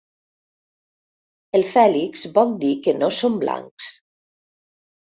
El Fèlix vol dir que no són blancs.